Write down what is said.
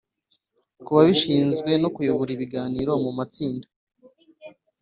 kubabishinzwe no kuyobora ibiganiro mu matsinda